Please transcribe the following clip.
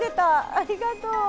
ありがとう。